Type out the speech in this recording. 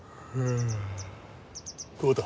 久保田。